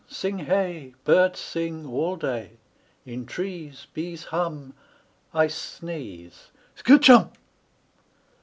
Sing hey! Birds sing All day. In trees Bees hum I sneeze Skatch Humb!!